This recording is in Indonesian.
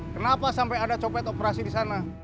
kenapa sampai ada copet operasi di sana